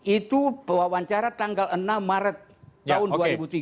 itu pewawancara tanggal enam maret tahun dua ribu tiga